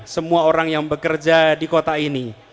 semua orang yang bekerja di kota ini